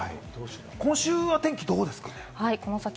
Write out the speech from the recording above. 今週は天気どうですか？